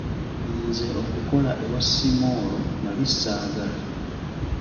Nze okukola ewa Simoolo nali saagala.